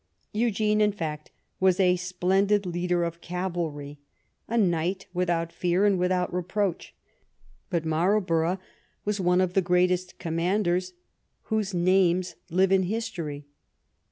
Eugene, in fact, was a splen did leader of cavalry, a knight without fear and without reproach, but Marlborough was one of the greatest commanders whose names live in history.